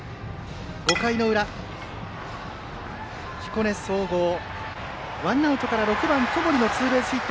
５回裏、彦根総合はワンアウトから６番、友利のツーベースヒット。